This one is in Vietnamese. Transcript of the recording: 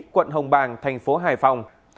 quận hồng bàng tp hải phòng